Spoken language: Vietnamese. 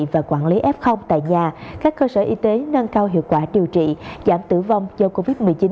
và quản lý f tại nhà các cơ sở y tế nâng cao hiệu quả điều trị giảm tử vong do covid một mươi chín